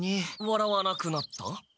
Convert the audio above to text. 笑わなくなった？